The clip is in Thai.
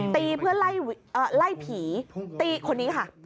ตีเพื่อไล่ผีตีคนนี้ค่ะ